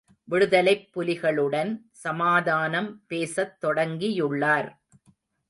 விடுதலைப் புலிகளுடன் சமாதானம் பேசத் தொடங்கியுள்ளார்.